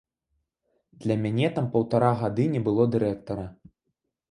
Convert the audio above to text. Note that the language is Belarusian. Да мяне там паўтара гады не было дырэктара.